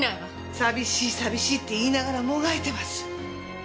寂しい寂しいって言いながらもがいてます。